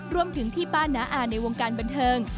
รวมถึงพี่ป้านนะอาในวงการบันเทิง